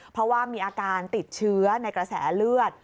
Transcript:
เพราะว่ามีอาการติดเชื้อในกระแสเลือด